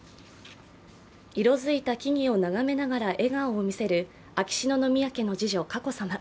色づいた木々を眺めながら笑顔を見せる秋篠宮家の次女・佳子さま。